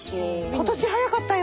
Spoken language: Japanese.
今年早かったよ